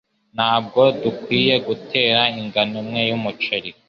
Ntabwo dukwiye guta ingano imwe y'umuceri.